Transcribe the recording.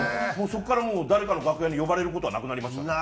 そこからもう誰かの楽屋に呼ばれる事はなくなりましたね。